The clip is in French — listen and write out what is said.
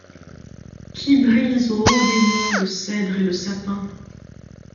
Qui brise au haut des monts le cèdre et le sapin ?